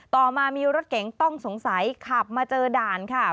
ต่อมามีรถเก๋งต้องสงสัยขับมาเจอด่านค่ะ